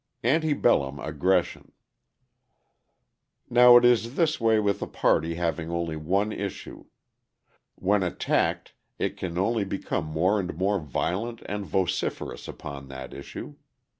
Ante bellum Aggression Now it is this way with a party having only one issue: when attacked, it can only become more and more violent and vociferous upon that issue.